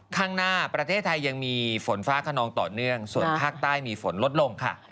ข้างหน้าประเทศไทยยังมีฝนฟ้าขนองต่อเนื่องส่วนภาคใต้มีฝนลดลงค่ะ